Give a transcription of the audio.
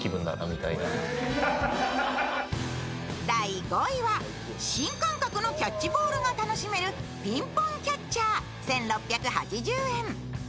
第５位は、新感覚のキャッチボールが楽しめる、ピンポンキャッチャー１６８０円。